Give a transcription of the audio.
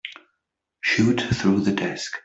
Shoot through the desk.